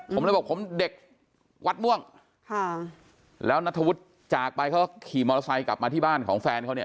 ผมเลยบอกผมเด็กวัดม่วงค่ะแล้วนัทธวุฒิจากไปเขาขี่มอเตอร์ไซค์กลับมาที่บ้านของแฟนเขาเนี่ย